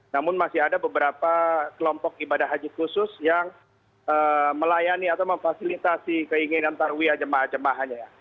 namun masih ada beberapa kelompok ibadah haji khusus yang melayani atau memfasilitasi keinginan tarwiyah jemaah jemaahnya ya